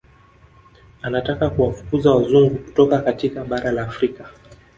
Anataka kuwafukuza Wazungu kutoka katika bara la Afrika